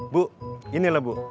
bu inilah bu